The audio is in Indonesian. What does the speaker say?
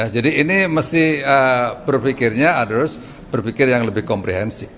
jadi ini mesti berpikirnya berpikir yang lebih komprehensi